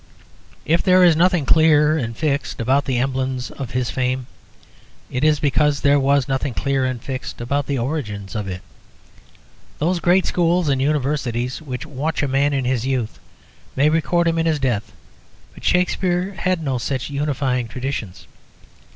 If there is nothing clear and fixed about the emblems of his fame, it is because there was nothing clear and fixed about the origins of it. Those great schools and Universities which watch a man in his youth may record him in his death; but Shakspere had no such unifying traditions.